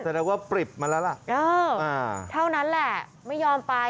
แสดงว่าปริบมาแล้วล่ะเท่านั้นแหละไม่ยอมไป